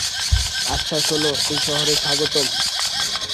আচ্ছা শোনো, এই শহরে স্বাগতম!